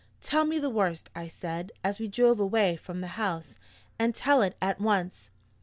"Tell me the worst," I said, as we drove away from the house, "and tell it at once."